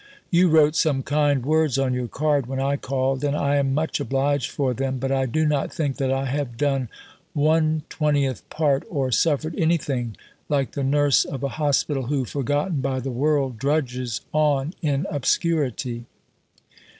You wrote some kind words on your card when I called, and I am much obliged for them, but I do not think that I have done 1/20 part or suffered anything like the nurse of a hospital who, forgotten by the world, drudges on in obscurity.